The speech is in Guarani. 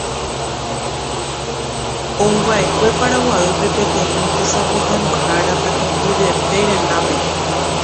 Ouva'ekue Paraguaýpe peteĩ tesapohãnohára katupyryete rendápe